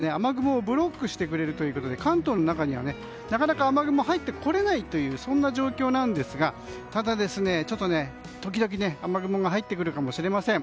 このあとですが、周りの高い山が雨雲をブロックしてくれるということで関東の中には、なかなか雨雲が入ってこれないというそんな状況ですがただときどき雨雲が入ってくるかも知れません。